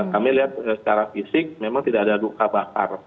kami lihat secara fisik memang tidak ada luka bakar